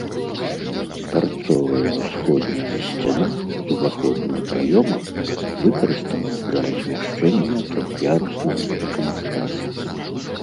Тарцовая ўсходняя сцяна з уваходным праёмам выкарыстана для размяшчэння трох'яруснага іканастаса.